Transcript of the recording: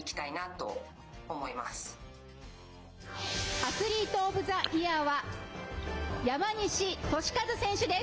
アスリート・オブ・ザ・イヤーは、山西利和選手です。